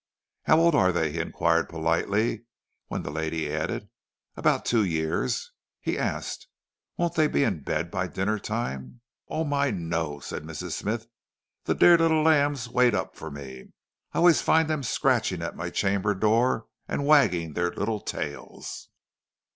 "How old are they?" he inquired politely; and when the lady added, "About two years," he asked, "Won't they be in bed by dinner time?" "Oh my, no!" said Mrs. Smythe. "The dear little lambs wait up for me. I always find them scratching at my chamber door and wagging their little tails."